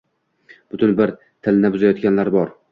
Butun bir tilni buzayotganlar bor.